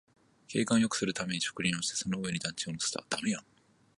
景観をよくするために植林して、その上に団地を乗せた